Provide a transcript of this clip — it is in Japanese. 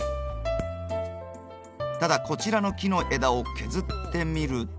ただこちらの木の枝を削ってみると。